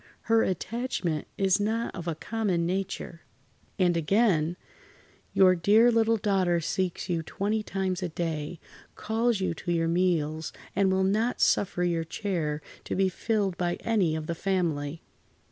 Her attachment is not of a common nature." And again: "Your dear little daughter seeks you twenty times a day, calls you to your meals, and will not suffer your chair to be filled by any of the family."